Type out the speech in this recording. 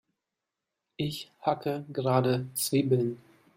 Ich hacke gerade Zwiebeln.